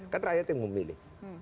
kan rakyat yang memilih